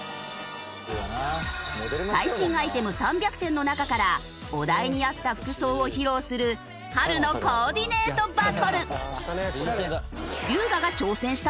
最新アイテム３００点の中からお題に合った服装を披露する春のコーディネートバトル。